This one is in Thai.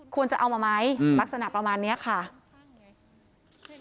ควรจะเอามาไหมอืมลักษณะประมาณเนี้ยค่ะใช่ไหม